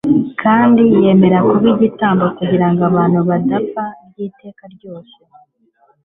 kandi yemera kuba igitambo kugira ngo abantu badapfa by'iteka ryose.